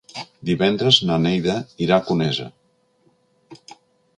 Divendres na Neida irà a Conesa.